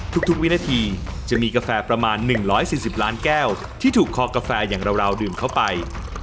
ทุกวินาทีจะมีกาแฟประมาณ๑๔๐ล้านแก้วที่ถูกคอกาแฟอย่างเราดื่มเข้าไป